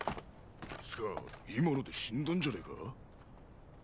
つか今ので死んだんじゃねェか？